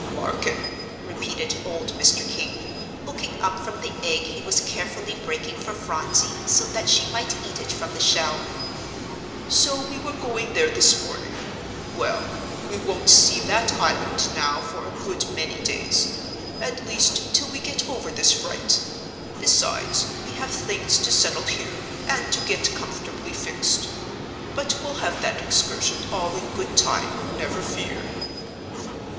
"Marken?" repeated old Mr. King, looking up from the egg he was carefully breaking for Phronsie so that she might eat it from the shell. "So we were going there this morning. Well, we won't see that island now for a good many days; at least, till we get over this fright. Beside, we have things to settle here, and to get comfortably fixed. But we'll have that excursion all in good time, never fear."